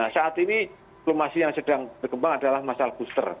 saat ini klimasi yang sedang berkembang adalah masalah booster